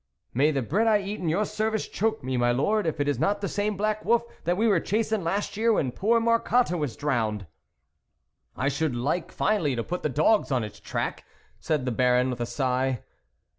May the bread I eat in your service choke me, my lord, if it is not the same black wolf that we were chasing last year when poor Marcotte was drowned." '" I should like finely to put the dogs on its track," said the Baron, with a sigh.